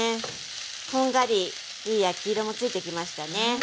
こんがりいい焼き色もついてきましたね。